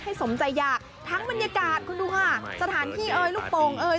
สมใจอยากทั้งบรรยากาศคุณดูค่ะสถานที่เอ่ยลูกโป่งเอ่ย